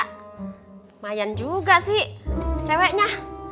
lumayan juga sih ceweknya